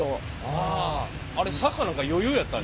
あれ坂なんか余裕やったん？